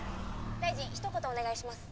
「大臣ひと言お願いします」